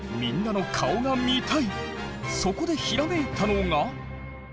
そこでひらめいたのが。